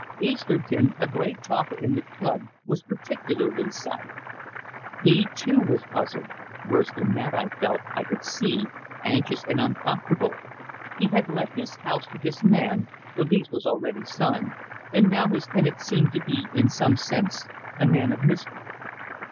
Easterton, a great talker in the club, was particularly silent. He too was puzzled; worse than that he felt, I could see, anxious and uncomfortable. He had let his house to this man the lease was already signed and now his tenant seemed to be, in some sense, a man of mystery.